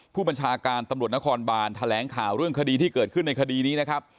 ผู้บัญชาการตำรวจนครบานแถลงข่าวเรื่องคดีที่เกิดขึ้นในคดีนี้นะครับ